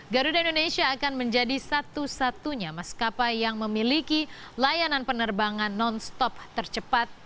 garuda indonesia akan menjadi satu satunya maskapai yang memiliki layanan penerbangan non stop tercepat